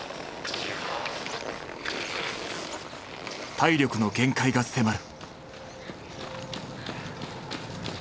体力の限界が迫る。